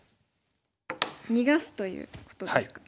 逃がすということですか？